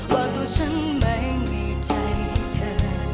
ว่าตัวฉันไม่มีใจให้เธอ